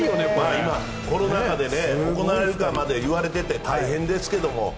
コロナ禍で行われるかまで言われていて大変ですけど。